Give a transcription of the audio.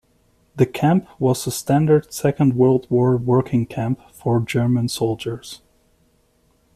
The camp was a standard Second World War working camp for German soldiers.